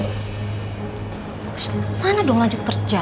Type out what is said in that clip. kesana dong lanjut kerja